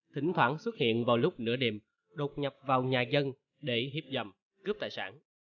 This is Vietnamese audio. thỉnh thoảng xuất hiện vào lúc nửa đêm đột nhập vào nhà dân để hiếp dầm cướp tài sản